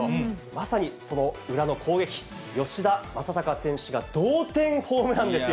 まさにその裏の攻撃、吉田正尚選手が同点ホームランですよ。